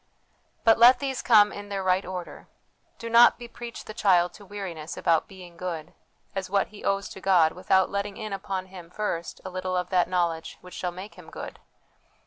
But let these come in their right order. Do not bepreach the child to weariness about 'being good' as what he owes to God, without letting in upon him first a little of that knowledge which shall make him good.